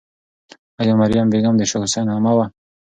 آیا مریم بیګم د شاه حسین عمه وه؟